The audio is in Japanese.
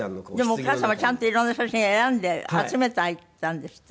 でもお母様ちゃんと色んな写真を選んで集めてあったんですってね。